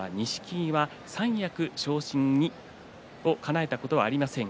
三役昇進をかなえたことはありません。